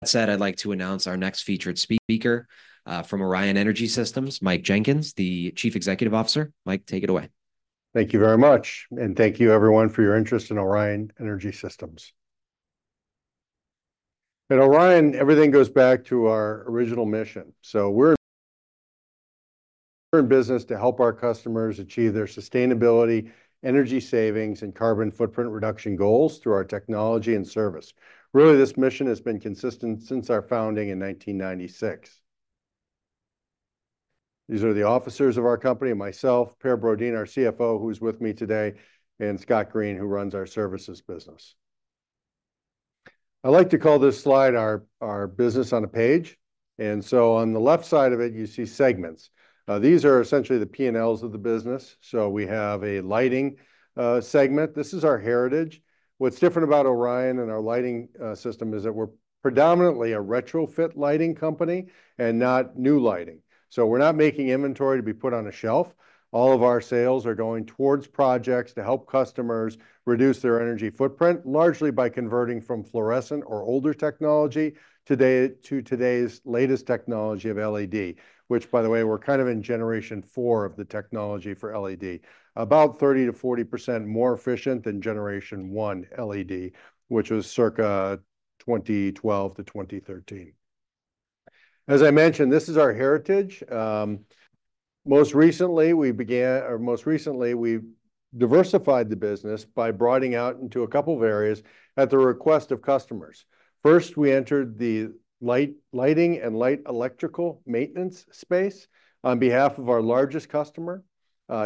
That said, I'd like to announce our next featured speaker from Orion Energy Systems, Mike Jenkins, the Chief Executive Officer. Mike, take it away. Thank you very much, and thank you everyone for your interest in Orion Energy Systems. At Orion, everything goes back to our original mission. So we're in business to help our customers achieve their sustainability, energy savings, and carbon footprint reduction goals through our technology and service. Really, this mission has been consistent since our founding in 1996. These are the officers of our company: myself, Per Brodin, our CFO, who's with me today, and Scott Green, who runs our services business. I like to call this slide our business on a page, and so on the left side of it, you see segments. These are essentially the P&Ls of the business. So we have a lighting segment. This is our heritage. What's different about Orion and our lighting system is that we're predominantly a retrofit lighting company and not new lighting. We're not making inventory to be put on a shelf. All of our sales are going towards projects to help customers reduce their energy footprint, largely by converting from fluorescent or older technology today to today's latest technology of LED, which, by the way, we're kind of in generation four of the technology for LED. About 30%-40% more efficient than generation one LED, which was circa 2012 to 2013. As I mentioned, this is our heritage. Most recently, we've diversified the business by broadening out into a couple of areas at the request of customers. First, we entered the lighting and electrical maintenance space on behalf of our largest customer.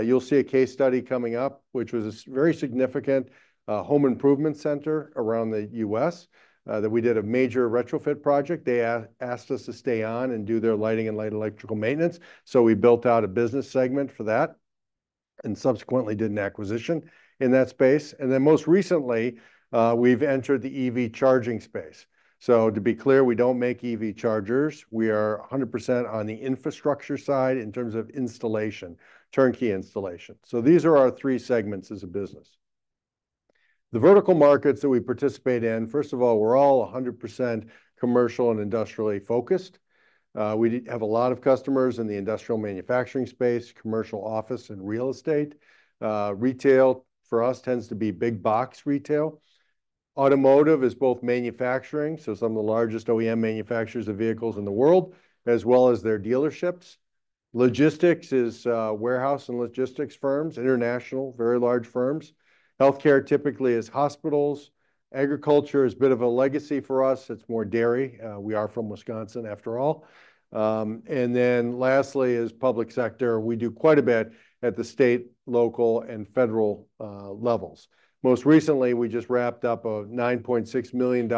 You'll see a case study coming up, which was a very significant home improvement center around the U.S. that we did a major retrofit project. They asked us to stay on and do their lighting and light electrical maintenance, so we built out a business segment for that and subsequently did an acquisition in that space. And then most recently, we've entered the EV charging space. So to be clear, we don't make EV chargers. We are 100% on the infrastructure side in terms of installation, turnkey installation. So these are our three segments as a business. The vertical markets that we participate in, first of all, we're all 100% commercial and industrially focused. We have a lot of customers in the industrial manufacturing space, commercial office and real estate. Retail for us tends to be big box retail. Automotive is both manufacturing, so some of the largest OEM manufacturers of vehicles in the world, as well as their dealerships. Logistics is warehouse and logistics firms, international, very large firms. Healthcare typically is hospitals. Agriculture is a bit of a legacy for us. It's more dairy. We are from Wisconsin after all, and then lastly is public sector. We do quite a bit at the state, local, and federal levels. Most recently, we just wrapped up a $9.6 million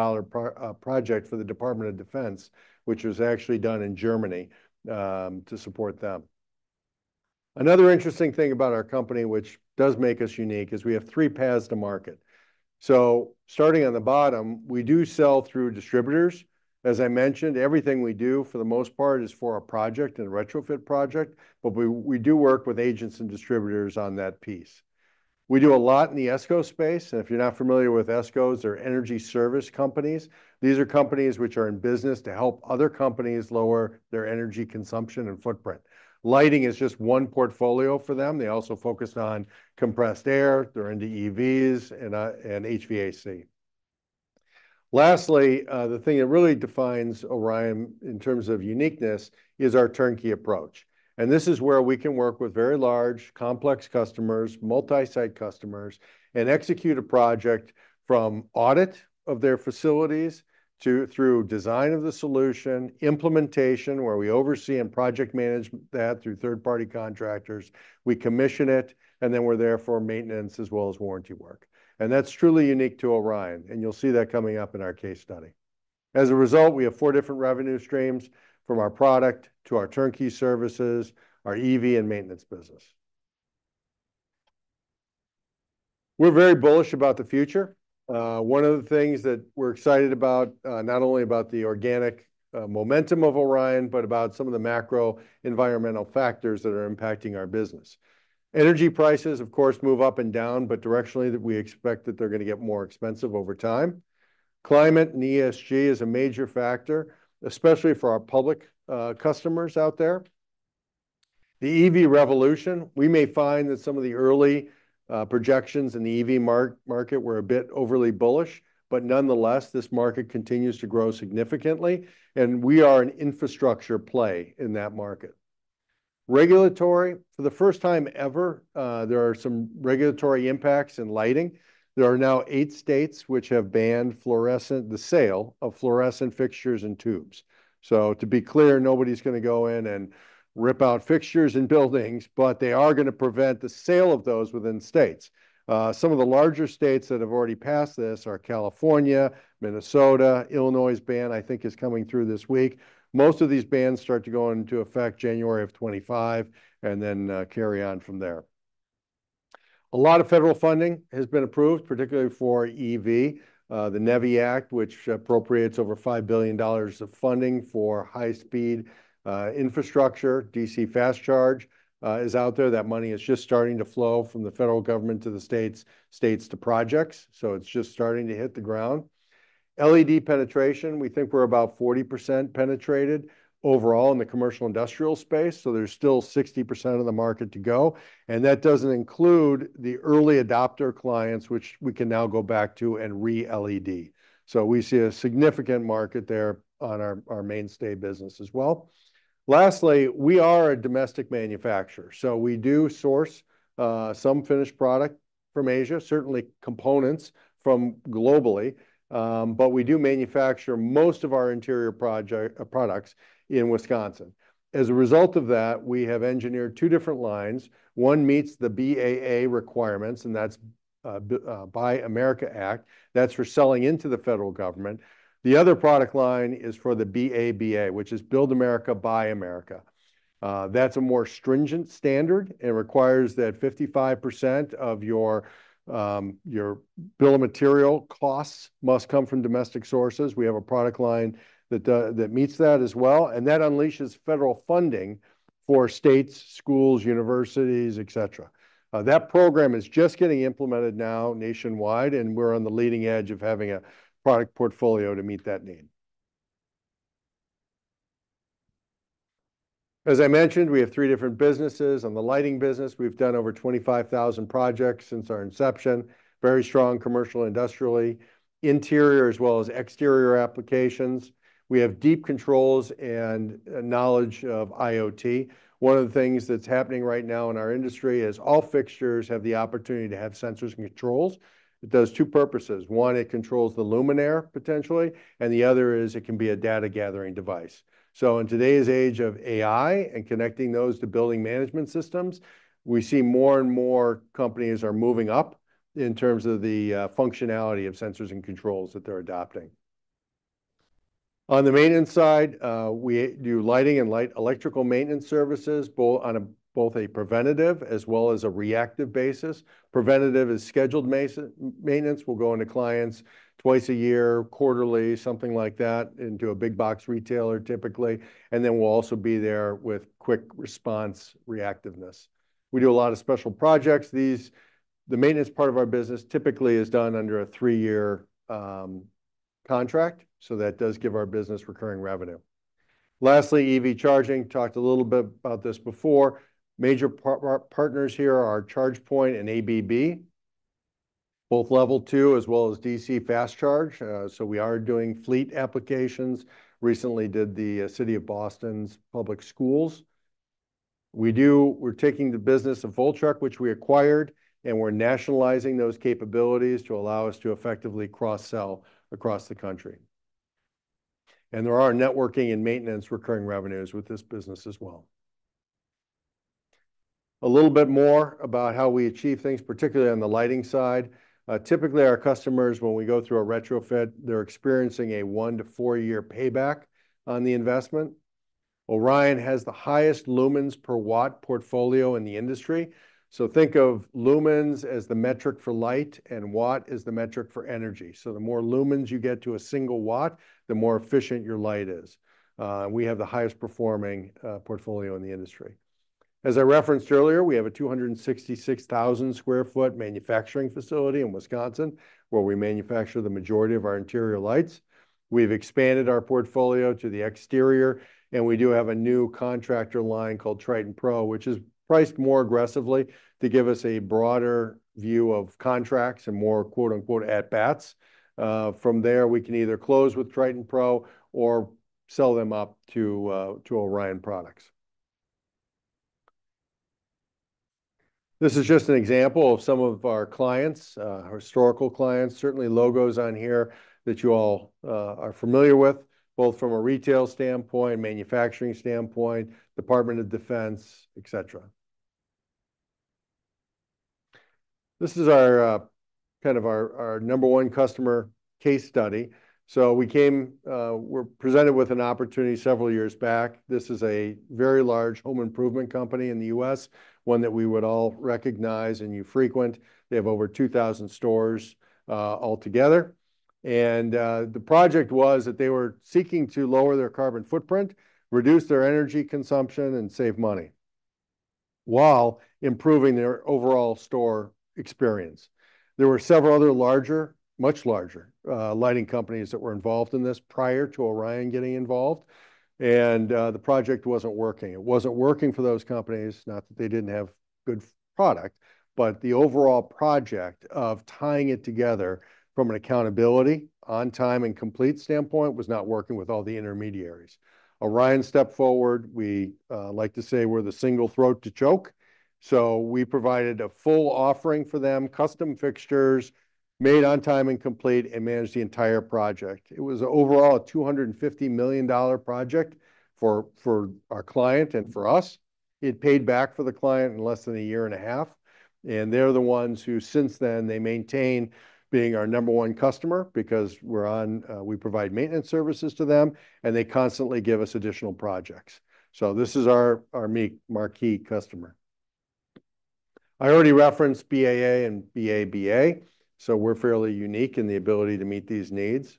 project for the Department of Defense, which was actually done in Germany to support them. Another interesting thing about our company, which does make us unique, is we have three paths to market. So starting on the bottom, we do sell through distributors. As I mentioned, everything we do, for the most part, is for a project and a retrofit project, but we do work with agents and distributors on that piece. We do a lot in the ESCO space, and if you're not familiar with ESCOs, they're energy service companies. These are companies which are in business to help other companies lower their energy consumption and footprint. Lighting is just one portfolio for them. They also focus on compressed air, they're into EVs, and HVAC. Lastly, the thing that really defines Orion in terms of uniqueness is our turnkey approach, and this is where we can work with very large, complex customers, multi-site customers, and execute a project from audit of their facilities to through design of the solution, implementation, where we oversee and project manage that through third-party contractors. We commission it, and then we're there for maintenance as well as warranty work, and that's truly unique to Orion, and you'll see that coming up in our case study. As a result, we have four different revenue streams, from our product to our turnkey services, our EV and maintenance business. We're very bullish about the future. One of the things that we're excited about, not only about the organic momentum of Orion, but about some of the macro environmental factors that are impacting our business. Energy prices, of course, move up and down, but directionally, we expect that they're gonna get more expensive over time. Climate and ESG is a major factor, especially for our public customers out there. The EV revolution, we may find that some of the early projections in the EV market were a bit overly bullish, but nonetheless, this market continues to grow significantly, and we are an infrastructure play in that market. Regulatory, for the first time ever, there are some regulatory impacts in lighting. There are now eight states which have banned fluorescent, the sale of fluorescent fixtures and tubes. So to be clear, nobody's gonna go in and rip out fixtures in buildings, but they are gonna prevent the sale of those within states. Some of the larger states that have already passed this are California, Minnesota. Illinois's ban, I think, is coming through this week. Most of these bans start to go into effect January of 2025 and then carry on from there. A lot of federal funding has been approved, particularly for EV. The NEVI Act, which appropriates over $5 billion of funding for high-speed infrastructure, DC fast charge, is out there. That money is just starting to flow from the federal government to the states, states to projects, so it's just starting to hit the ground. LED penetration, we think we're about 40% penetrated overall in the commercial industrial space, so there's still 60% of the market to go, and that doesn't include the early adopter clients, which we can now go back to and re-LED. So we see a significant market there on our mainstay business as well. Lastly, we are a domestic manufacturer, so we do source some finished product from Asia, certainly components from globally. But we do manufacture most of our interior project products in Wisconsin. As a result of that, we have engineered two different lines. One meets the BAA requirements, and that's Buy American Act. That's for selling into the federal government. The other product line is for the BABA, which is Build America, Buy America. That's a more stringent standard and requires that 55% of your, your bill of material costs must come from domestic sources. We have a product line that, that meets that as well, and that unleashes federal funding for states, schools, universities, et cetera. That program is just getting implemented now nationwide, and we're on the leading edge of having a product portfolio to meet that need. As I mentioned, we have three different businesses. On the lighting business, we've done over 25,000 projects since our inception. Very strong commercial, industrially, interior, as well as exterior applications. We have deep controls and, knowledge of IoT. One of the things that's happening right now in our industry is all fixtures have the opportunity to have sensors and controls. It does two purposes: One, it controls the luminaire, potentially, and the other is it can be a data-gathering device. So in today's age of AI and connecting those to building management systems, we see more and more companies are moving up in terms of the functionality of sensors and controls that they're adopting. On the maintenance side, we do lighting and light electrical maintenance services, both on a preventative as well as a reactive basis. Preventative is scheduled maintenance. We'll go into clients twice a year, quarterly, something like that, into a big box retailer, typically, and then we'll also be there with quick response reactiveness. We do a lot of special projects. The maintenance part of our business typically is done under a three-year contract, so that does give our business recurring revenue. Lastly, EV charging. Talked a little bit about this before. Major partners here are ChargePoint and ABB, both Level 2 as well as DC fast charge. So we are doing fleet applications. Recently did the city of Boston public schools. We're taking the business of Voltrek, which we acquired, and we're nationalizing those capabilities to allow us to effectively cross-sell across the country, and there are networking and maintenance recurring revenues with this business as well. A little bit more about how we achieve things, particularly on the lighting side. Typically, our customers, when we go through a retrofit, they're experiencing a one- to four-year payback on the investment. Orion has the highest lumens per watt portfolio in the industry. So think of lumens as the metric for light and watt as the metric for energy. So the more lumens you get to a single watt, the more efficient your light is. We have the highest performing portfolio in the industry. As I referenced earlier, we have a 266,000 sq ft manufacturing facility in Wisconsin, where we manufacture the majority of our interior lights. We've expanded our portfolio to the exterior, and we do have a new contractor line called Triton Pro, which is priced more aggressively to give us a broader view of contracts and more, quote-unquote, "at bats". From there, we can either close with Triton Pro or sell them up to Orion products. This is just an example of some of our clients, our historical clients. Certainly logos on here that you all are familiar with, both from a retail standpoint, manufacturing standpoint, Department of Defense, et cetera. This is our kind of number one customer case study. So we were presented with an opportunity several years back. This is a very large home improvement company in the U.S., one that we would all recognize and you frequent. They have over two thousand stores altogether, and the project was that they were seeking to lower their carbon footprint, reduce their energy consumption, and save money while improving their overall store experience. There were several other larger, much larger lighting companies that were involved in this prior to Orion getting involved, and the project wasn't working. It wasn't working for those companies, not that they didn't have good product, but the overall project of tying it together from an accountability, on time, and complete standpoint was not working with all the intermediaries. Orion stepped forward. We like to say we're the single throat to choke, so we provided a full offering for them, custom fixtures made on time and complete, and managed the entire project. It was overall a $250 million project for our client and for us. It paid back for the client in less than a year and a half, and they're the ones who, since then, they maintain being our number one customer because we're on. We provide maintenance services to them, and they constantly give us additional projects. So this is our marquee customer. I already referenced BAA and BABA, so we're fairly unique in the ability to meet these needs.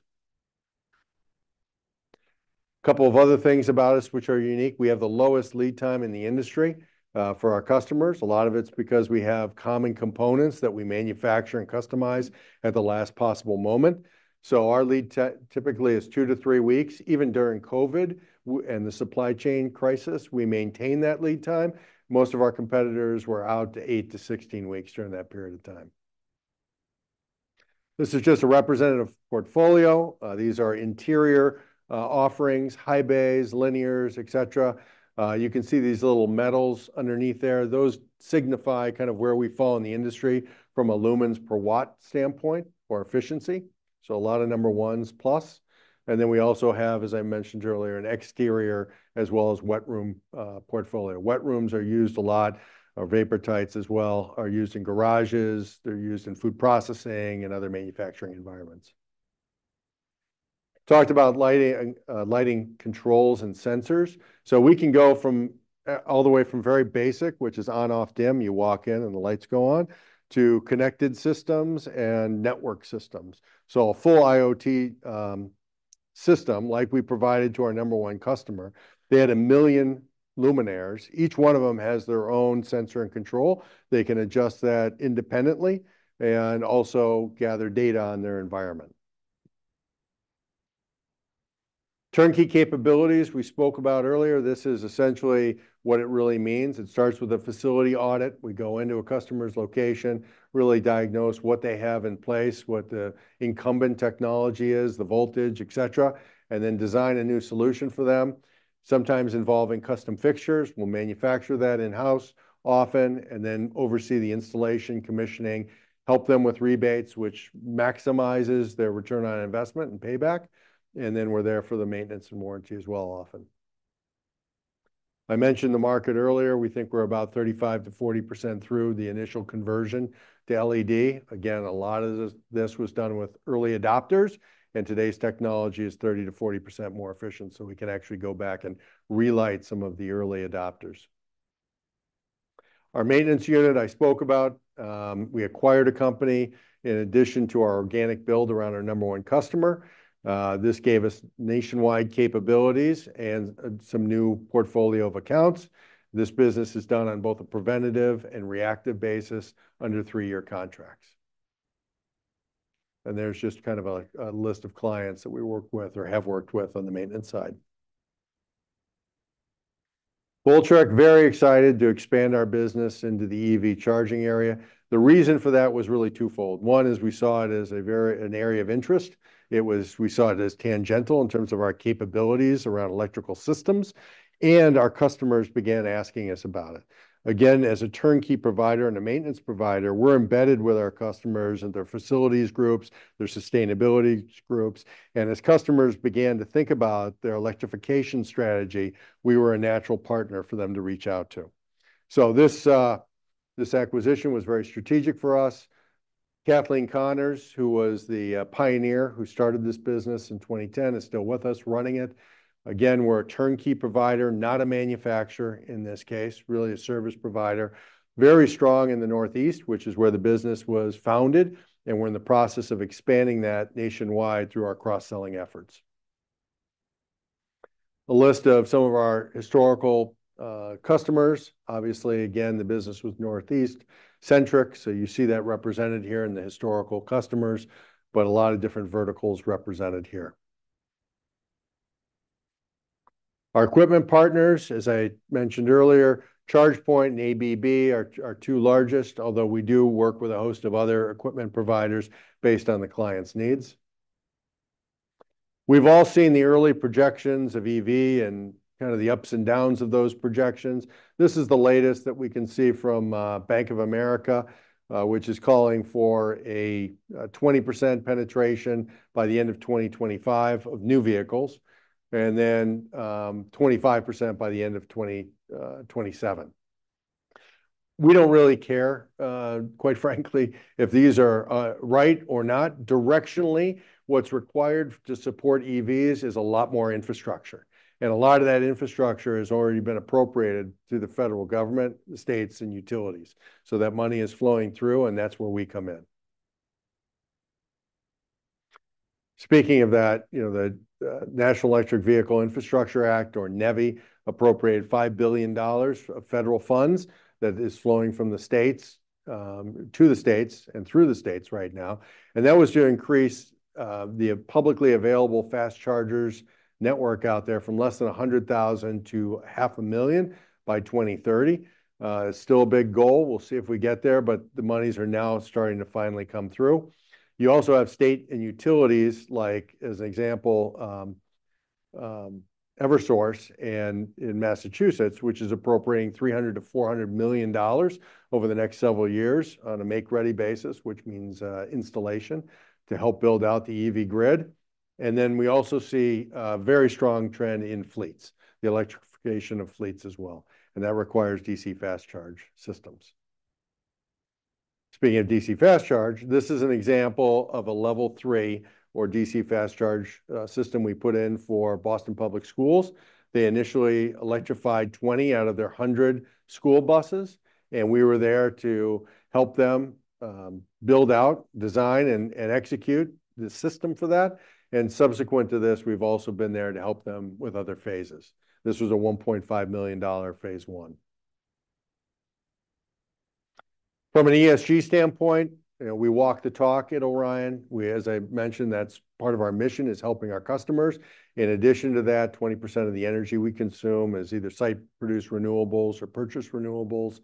A couple of other things about us which are unique, we have the lowest lead time in the industry for our customers. A lot of it's because we have common components that we manufacture and customize at the last possible moment. So our lead time typically is two to three weeks. Even during COVID, and the supply chain crisis, we maintained that lead time. Most of our competitors were out eight to 16 weeks during that period of time. This is just a representative portfolio. These are interior offerings, high bays, linears, et cetera. You can see these little medals underneath there. Those signify kind of where we fall in the industry from a lumens per watt standpoint or efficiency, so a lot of number ones plus, and then we also have, as I mentioned earlier, an exterior as well as wet room portfolio. Wet rooms are used a lot, or vapor tights as well, are used in garages. They're used in food processing and other manufacturing environments. Talked about lighting and lighting controls and sensors, so we can go from all the way from very basic, which is on/off dim. You walk in and the lights go on, to connected systems and network systems, so a full IoT system, like we provided to our number one customer. They had a million luminaires. Each one of them has their own sensor and control. They can adjust that independently and also gather data on their environment. Turnkey capabilities we spoke about earlier, this is essentially what it really means. It starts with a facility audit. We go into a customer's location, really diagnose what they have in place, what the incumbent technology is, the voltage, et cetera, and then design a new solution for them, sometimes involving custom fixtures. We'll manufacture that in-house often, and then oversee the installation, commissioning, help them with rebates, which maximizes their return on investment and payback, and then we're there for the maintenance and warranty as well, often. I mentioned the market earlier. We think we're about 35%-40% through the initial conversion to LED. Again, a lot of this, this was done with early adopters, and today's technology is 30%-40% more efficient, so we can actually go back and relight some of the early adopters. Our maintenance unit I spoke about. We acquired a company in addition to our organic build around our number one customer. This gave us nationwide capabilities and some new portfolio of accounts. This business is done on both a preventative and reactive basis under three-year contracts. There's just kind of a list of clients that we work with or have worked with on the maintenance side. Voltrek. Very excited to expand our business into the EV charging area. The reason for that was really twofold. One is we saw it as an area of interest. We saw it as tangential in terms of our capabilities around electrical systems, and our customers began asking us about it. Again, as a turnkey provider and a maintenance provider, we're embedded with our customers and their facilities groups, their sustainability groups, and as customers began to think about their electrification strategy, we were a natural partner for them to reach out to. So this acquisition was very strategic for us. Kathleen Connors, who was the pioneer who started this business in 2010, is still with us running it. Again, we're a turnkey provider, not a manufacturer in this case, really a service provider. Very strong in the Northeast, which is where the business was founded, and we're in the process of expanding that nationwide through our cross-selling efforts. A list of some of our historical customers. Obviously, again, the business was Northeast centric, so you see that represented here in the historical customers, but a lot of different verticals represented here. Our equipment partners, as I mentioned earlier, ChargePoint and ABB are our two largest, although we do work with a host of other equipment providers based on the client's needs. We've all seen the early projections of EV and kind of the ups and downs of those projections. This is the latest that we can see from Bank of America, which is calling for a 20% penetration by the end of 2025 of new vehicles, and then 25% by the end of 2027. We don't really care quite frankly if these are right or not. Directionally, what's required to support EVs is a lot more infrastructure, and a lot of that infrastructure has already been appropriated through the federal government, the states, and utilities. So that money is flowing through, and that's where we come in. Speaking of that, you know, the National Electric Vehicle Infrastructure Act, or NEVI, appropriated $5 billion of federal funds that is flowing from the states to the states and through the states right now, and that was to increase the publicly available fast chargers network out there from less than 100,000 to 500,000 by 2030. It's still a big goal. We'll see if we get there, but the monies are now starting to finally come through. You also have states and utilities, like, as an example, Eversource and in Massachusetts, which is appropriating $300 million-$400 million over the next several years on a make-ready basis, which means installation, to help build out the EV grid. And then we also see a very strong trend in fleets, the electrification of fleets as well, and that requires DC fast charge systems, speaking of DC fast charge. This is an example of a level 3 or DC fast charge system we put in for Boston public schools. They initially electrified 20 out of their 100 school buses, and we were there to help them build out, design, and execute the system for that. And subsequent to this, we have also been there to help them with other phases. This was a $1.5 million phase one. From an ESG standpoint, you know, we walk the talk at Orion. We- as I mentioned, that is part of our mission, is helping our customers. In addition to that, 20% of the energy we consume is either site-produced renewables or purchased renewables.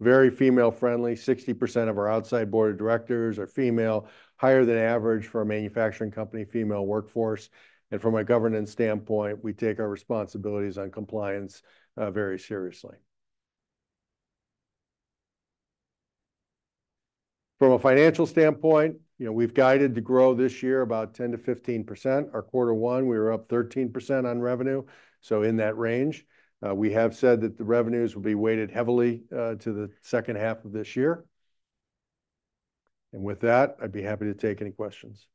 Very female-friendly: 60% of our outside board of directors are female, higher than average for a manufacturing company female workforce. From a governance standpoint, we take our responsibilities on compliance very seriously. From a financial standpoint, you know, we've guided to grow this year about 10%-15%. Our quarter one, we were up 13% on revenue, so in that range. We have said that the revenues will be weighted heavily to the second half of this year. With that, I'd be happy to take any questions.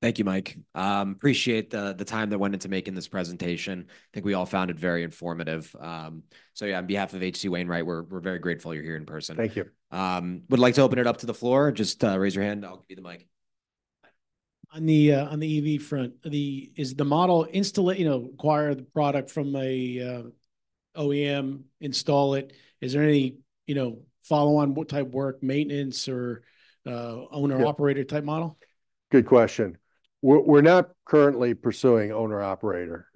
Thank you, Mike. Appreciate the time that went into making this presentation. I think we all found it very informative. So, yeah, on behalf of H.C. Wainwright, we're very grateful you're here in person. Thank you. Would like to open it up to the floor. Just, raise your hand, and I'll give you the mic. On the EV front, is the model install- you know, acquire the product from a OEM, install it? Is there any, you know, follow-on type work, maintenance, or owner-operator- Yeah... type model? Good question. We're not currently pursuing owner/operator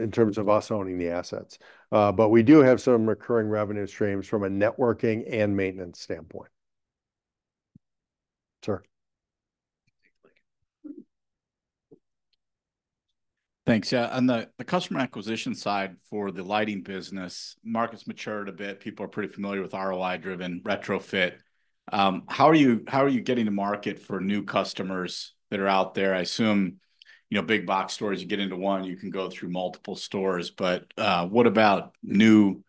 in terms of us owning the assets. But we do have some recurring revenue streams from a networking and maintenance standpoint. Sir? Thanks. Yeah, on the customer acquisition side for the lighting business, market's matured a bit. People are pretty familiar with ROI-driven retrofit. How are you getting the market for new customers that are out there? I assume, you know, big-box stores, you get into one, you can go through multiple stores, but what about new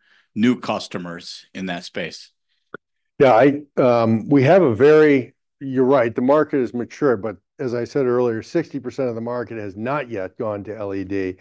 customers in that space? Yeah, we have a very... You're right, the market is mature, but as I said earlier, 60% of the market has not yet gone to LED.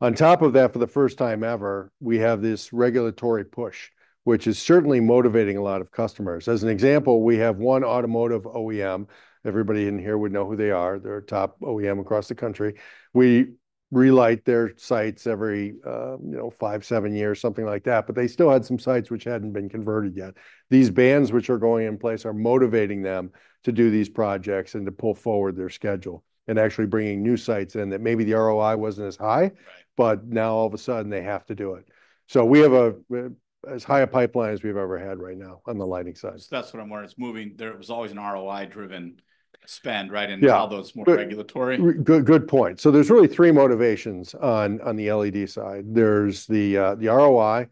On top of that, for the first time ever, we have this regulatory push, which is certainly motivating a lot of customers. As an example, we have one automotive OEM. Everybody in here would know who they are. They're a top OEM across the country. We relight their sites every, you know, five, seven years, something like that, but they still had some sites which hadn't been converted yet. These bans which are going in place are motivating them to do these projects and to pull forward their schedule, and actually bringing new sites in that maybe the ROI wasn't as high- Right... but now all of a sudden they have to do it. So we have as high a pipeline as we've ever had right now on the lighting side. So that's what I'm wondering. It's moving. There was always an ROI-driven spend, right? Yeah. And now there's more regulatory. Good point. So there's really three motivations on the LED side. There's the ROI,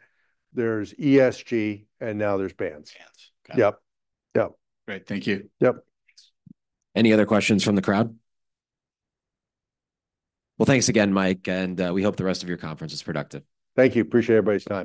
there's ESG, and now there's bans. Bans. Okay. Yep. Yep. Great. Thank you. Yep. Any other questions from the crowd? Thanks again, Mike, and we hope the rest of your conference is productive. Thank you. Appreciate everybody's time.